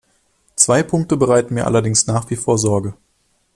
Zwei Punkte bereiten mir allerdings nach wie vor Sorge.